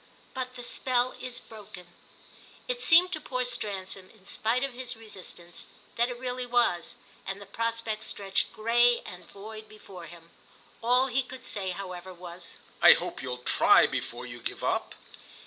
But the spell is broken." It seemed to poor Stransom, in spite of his resistance, that it really was, and the prospect stretched grey and void before him. All he could say, however, was: "I hope you'll try before you give up."